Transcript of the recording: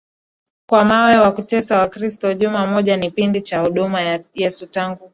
kwa mawe na kuwatesa wakristo Juma moja ni kipindi cha Huduma ya Yesu tangu